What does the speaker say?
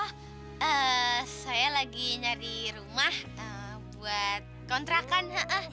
oh saya lagi nyari rumah buat kontrakan